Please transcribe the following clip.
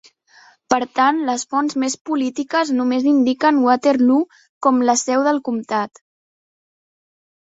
Per tant, les fonts més polítiques només indiquen Waterloo com la seu del comptat.